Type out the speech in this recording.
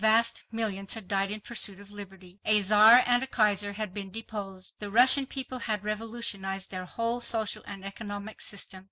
Vast millions had died in pursuit of liberty. A Czar and a Kaiser had been deposed. The Russian people had revolutionized their whole social and economic system.